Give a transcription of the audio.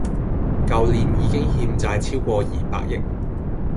舊年已經欠債超過二百億